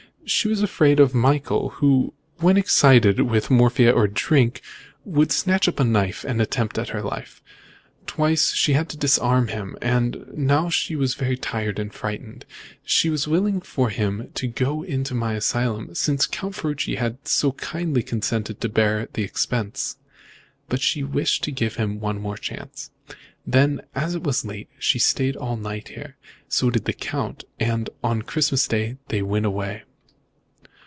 She was afraid of Michael, who, when excited with morphia or drink, would snatch up a knife to attempt her life. Twice she had disarmed him, and now she was tired and frightened. She was willing for him to go into my asylum since Count Ferruci had so kindly consented to bear the expense, but she wished to give him one more chance. Then, as it was late, she stayed here all night. So did the Count, and on Christmas Day they went away."